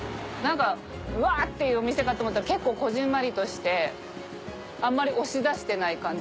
うわっていうお店かと思ったら結構こぢんまりとしてあんまり押し出してない感じ。